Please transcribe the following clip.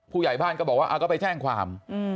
ผู้ใหญ่บ้านก็บอกว่าก็ไปแจ้งความ